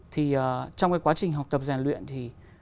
thì trong quá trình học tập giàn luyện thì